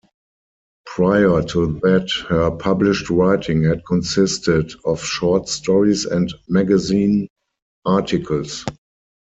Prior to that her published writing had consisted of short stories and magazine articles.